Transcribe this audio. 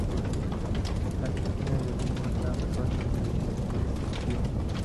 Las esquinas del mismo están resueltas mediante estrías.